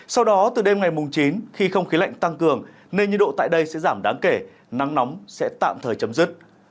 sau đó từ đêm ngày chín khi không khí lạnh tăng cường nên nhiệt độ tại đây sẽ giảm đáng kể nắng nóng sẽ tạm thời chấm dứt